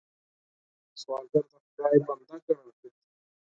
سوالګر د خدای بنده ګڼل کېږي